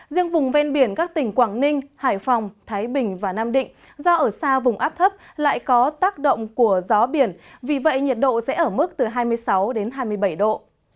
riêng vùng ven biển các tỉnh quảng ninh hải phòng thái bình và nam định do ở xa vùng áp thấp lại có tác động của gió biển vì vậy nhiệt độ sẽ ở mức từ hai mươi sáu đến hai mươi bảy độ